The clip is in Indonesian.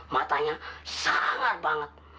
matanya sangar banget